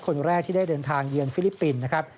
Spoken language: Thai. คนแรกที่ได้เดินทางเยือนฟิลิปปินส์นะครับ